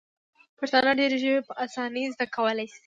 پښتانه ډیري ژبي په اسانۍ زده کولای سي.